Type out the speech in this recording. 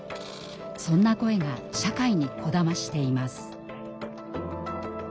そんな声が社会にこだましています。